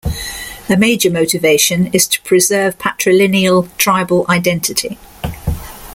A major motivation is to preserve patrilineal tribal identity.